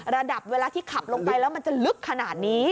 ระดับเวลาที่ขับลงไปแล้วมันจะลึกขนาดนี้